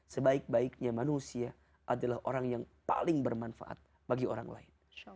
sebaik baiknya manusia adalah orang yang paling bermanfaat bagi orang lain